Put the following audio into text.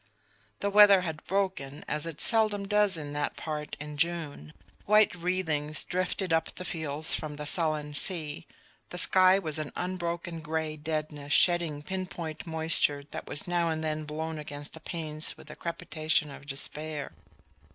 The weather had broken as it seldom does in that part in June. White wreathings drifted up the fields from the sullen sea; the sky was an unbroken gray deadness shedding pin point moisture that was now and then blown against the panes with a crepitation of despair.